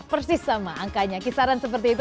persis sama angkanya kisaran seperti itu